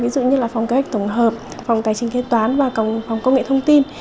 ví dụ như phòng kế hoạch tổng hợp phòng tài trình kế toán và phòng công nghệ thông tin